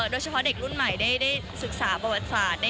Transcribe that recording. โดยเฉพาะเด็กรุ่นใหม่ได้ศึกษาประวัติศาสตร์